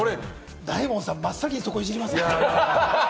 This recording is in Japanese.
大門さん、真っ先にそこをいじります？